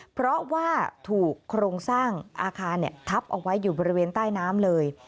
เพราะว่าถูกโครงสร้างอาคารทับเอาไว้อยู่บริเวณใต้น้ำเลย